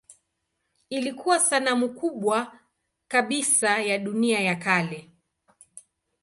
Ilikuwa sanamu kubwa kabisa ya dunia ya kale.